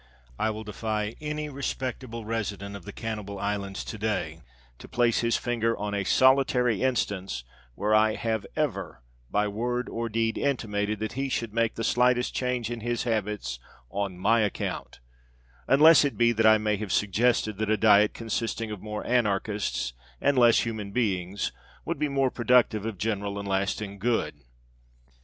I will defy any respectable resident of the cannibal islands to day to place his finger on a solitary instance where I have ever, by word or deed, intimated that he should make the slightest change in his habits on my account, unless it be that I may have suggested that a diet consisting of more anarchists and less human beings would be more productive of general and lasting good.